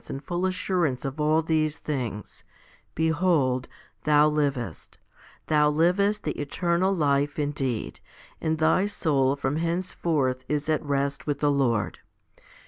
HOMILY I ii and full assurance of all these things, behold, thou livest, thou livest the eternal life indeed, and thy soul from hence forth is at rest with the Lord.